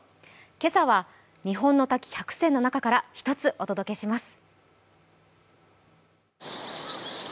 今朝は日本の滝１００選の中から１つお届けします。